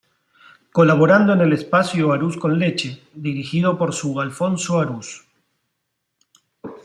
Colaborando en el espacio "Arús con leche," dirigido por su Alfonso Arús.